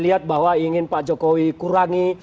lihat bahwa ingin pak jokowi kurangi